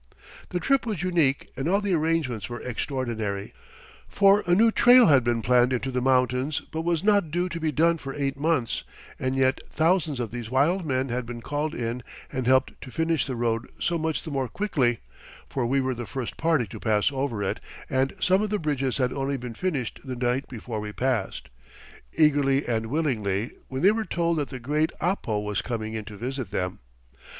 The trip was unique and all the arrangements were extraordinary. For a new trail had been planned into the mountains but was not due to be done for eight months, and yet thousands of these wild men had been called in and helped to finish the road so much the more quickly (for we were the first party to pass over it, and some of the bridges had only been finished the night before we passed), eagerly and willingly, when they were told that the great Apo was coming in to visit them.